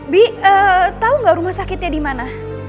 bi tau gak rumah sakitnya dimana